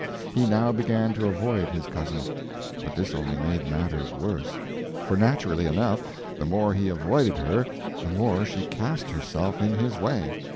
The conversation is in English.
He now began to avoid, his cousin. But this only made matters worse, for, naturally enough, the more he avoided her, the more she cast herself in his way.